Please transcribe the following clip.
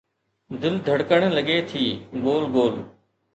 دل ڌڙڪڻ لڳي ٿي گول گول